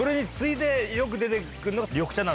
よく出てくるのが。